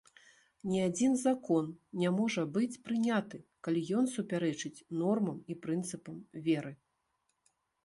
Ні адзін закон не можа быць прыняты, калі ён супярэчыць нормам і прынцыпам веры.